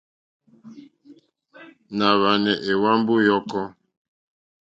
Nà hwànè èhwambo yɔ̀kɔ.